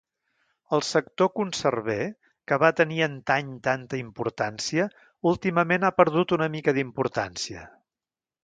El sector conserver, que va tenir antany tanta importància, últimament ha perdut una mica d'importància.